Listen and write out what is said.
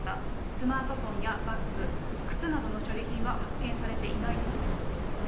スマートフォンやバッグ、靴などの所持品は発見されていないということですね。